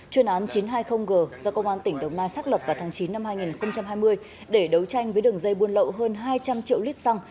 chuyên án chín trăm hai mươi g do công an tỉnh đồng nai xác lập vào tháng chín năm hai nghìn hai mươi để đấu tranh với đường dây buôn lậu hơn hai trăm linh triệu lít xăng